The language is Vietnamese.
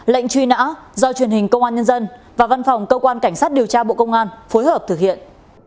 lệnh truy nã do truyền hình công an nhân dân và văn phòng cơ quan cảnh sát điều tra bộ công an phối hợp thực hiện